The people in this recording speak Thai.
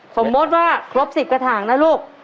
สมมุติว่าครบ๑๐กระถางนะลูก